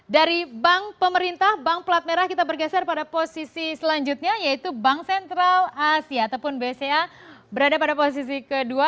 dari bank pemerintah bank pelat merah kita bergeser pada posisi selanjutnya yaitu bank sentral asia ataupun bca berada pada posisi kedua